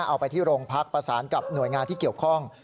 เอาไปที่โรงพักประสานกับหน่วยงานที่เกี่ยวข้อง